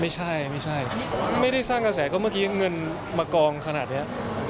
ไม่ใช่ไม่ใช่ไม่ได้สร้างกระแสก็เมื่อกี้เงินมากองขนาดนี้